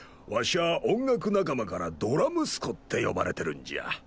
わしゃ音楽仲間からドラムスコって呼ばれてるんじゃ。